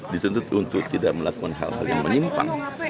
dituntut untuk tidak melakukan hal hal yang menyimpang